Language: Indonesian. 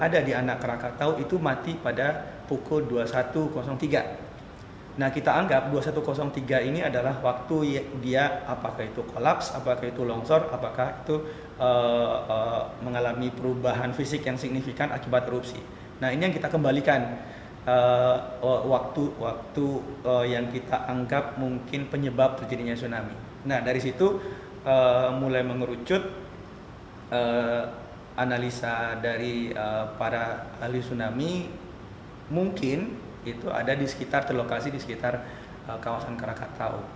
dari para ahli tsunami mungkin itu ada di sekitar terlokasi di sekitar kawasan krakatau